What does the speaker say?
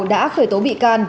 đã khởi tố bị can